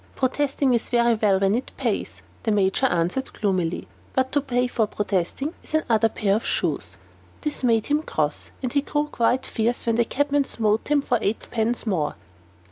"Protesting is very well, when it pays," the Major answered, gloomily; "but to pay for protesting is another pair of shoes." This made him cross, and he grew quite fierce when the cabman smote him for eight pence more.